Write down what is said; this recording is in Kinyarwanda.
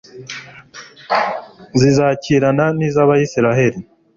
zisakirana n'iz'abayisraheli